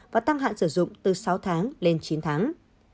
và tăng hạn sử dụng từ sáu tháng lên chín tháng